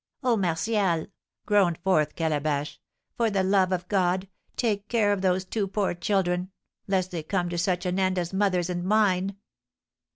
"Oh, Martial," groaned forth Calabash, "for the love of God, take care of those two poor children, lest they come to such an end as mother's and mine!"